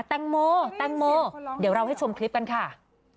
แตงโมแตงโมเดี๋ยวเราให้ชมคลิปกันค่ะ